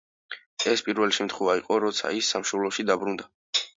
ეს პირველი შემთხვევა იყო, როცა ის სამშობლოში დაბრუნდა.